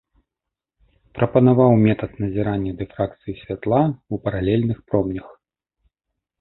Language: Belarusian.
Прапанаваў метад назірання дыфракцыі святла ў паралельных промнях.